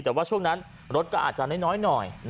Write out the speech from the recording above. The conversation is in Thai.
แต่ว่าช่วงนั้นรถก็อาจจะน้อยหน่อย